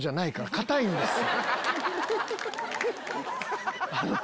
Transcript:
硬いんですよ！